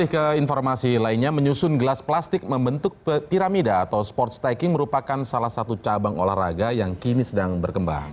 ke informasi lainnya menyusun gelas plastik membentuk piramida atau sports stacking merupakan salah satu cabang olahraga yang kini sedang berkembang